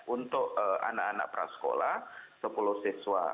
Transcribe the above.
untuk anak anak prasekolah sepuluh siswa